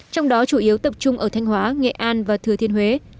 trong đó chủ yếu tập trung ở thanh hóa nghệ an và thừa thiên huế